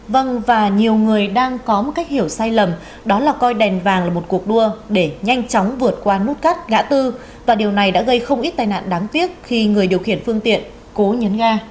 vâng và nhiều người đang có một cách hiểu sai lầm đó là coi đèn vàng là một cuộc đua để nhanh chóng vượt qua nút cắt gã tư và điều này đã gây không ít tai nạn đáng tiếc khi người điều khiển phương tiện